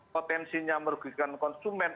potensinya merugikan konsumen